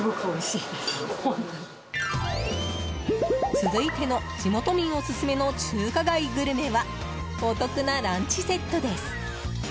続いての地元民オススメの中華街グルメはお得なランチセットです。